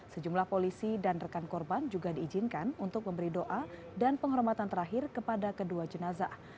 sejumlah polisi dan rekan korban juga diizinkan untuk memberi doa dan penghormatan terakhir kepada kedua jenazah